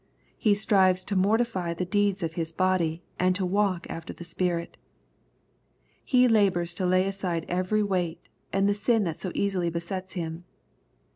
He strives to mortify the deeds of his body, and to walk after the Spirit. He labors to lay aside every weight, and the sin that so easily besets him.